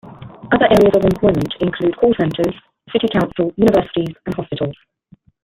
Other areas of employment include call centres, the City Council, universities and hospitals.